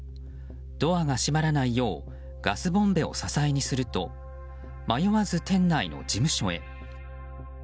ドアが閉まらないようガスボンベを支えにすると迷わず店内の事務所へ。